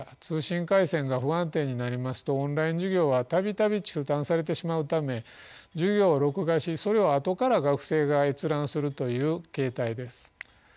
通信回線が不安定になりますとオンライン授業は度々中断されてしまうため授業を録画しそれをあとから学生が閲覧するという形態です。